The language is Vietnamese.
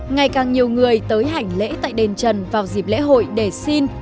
ngày càng nhiều người tới hành lễ tại đền trần vào dịp lễ hội để xin